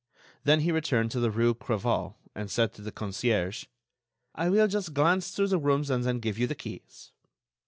Then he returned to the rue Crevaux and said to the concierge: "I will just glance through the rooms and then give you the keys."